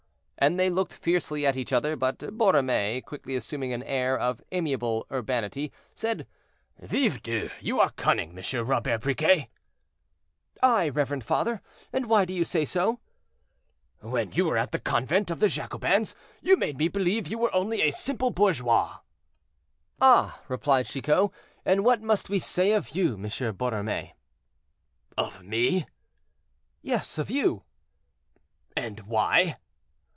And they looked fiercely at each other, but Borromée, quickly assuming an air of amiable urbanity, said, "Vive Dieu, you are cunning, M. Robert Briquet." "I, reverend father; and why do you say so?" "When you were at the convent of the Jacobins, you made me believe you were only a simple bourgeois." "Ah!" replied Chicot, "and what must we say of you, M. Borromée?" "Of me?" "Yes, of you." "And why?"